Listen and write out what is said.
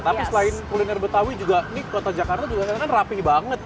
tapi selain kuliner betawi juga nih kota jakarta juga kan rapih banget